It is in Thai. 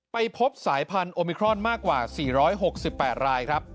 ไปพบสายพันธุมิครอนมากกว่า๔๖๘รายครับ